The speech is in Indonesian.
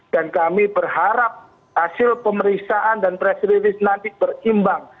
dan kami berharap hasil pemeriksaan dan presilis nanti berimbang